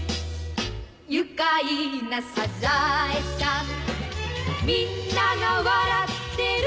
「愉快なサザエさん」「みんなが笑ってる」